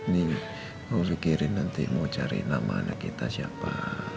nih mau dikirim nanti mau cari nama anak kita siapa